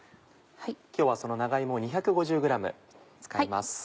今日はその長芋を２５０ｇ使います。